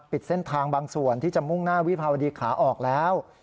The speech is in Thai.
ปิดเส้นทางบางส่วนที่จะมุ่งหน้าวิภาวดีขาออกแล้ว